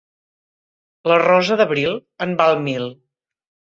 La rosa d'abril en val mil.